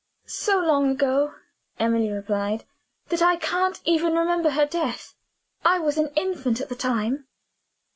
"So long ago," Emily replied, "that I can't even remember her death. I was an infant at the time."